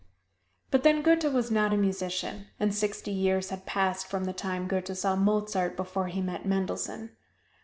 But then Goethe was not a musician, and sixty years had passed from the time Goethe saw Mozart before he met Mendelssohn.